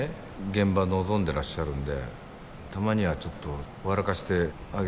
現場臨んでらっしゃるんでたまにはちょっと笑かしてあげるのも必要だし。